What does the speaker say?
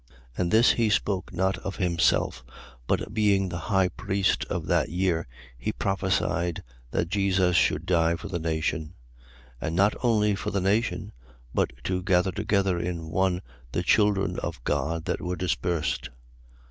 11:51. And this he spoke not of himself: but being the high priest of that year, he prophesied that Jesus should die for the nation. 11:52. And not only for the nation, but to gather together in one the children of God that were dispersed.